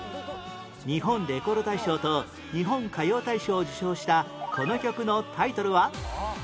日本レコード大賞と日本歌謡大賞を受賞したこの曲のタイトルは？